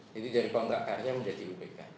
jadi dari kontrak karya menjadi iupk